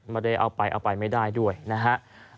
ไม่ได้เอาไปเอาไปไม่ได้ด้วยนะฮะ